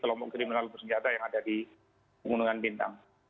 kelompok kriminal bersenjata yang ada di gunungan bintang